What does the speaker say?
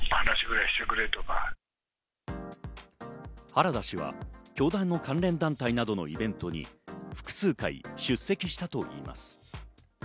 原田氏は教団の関連団体などのイベントに複数回出席したといいます。